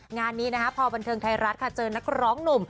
งานนี้นะคะพอบันเทิงไทยรัฐค่ะเจอนักร้องหนุ่ม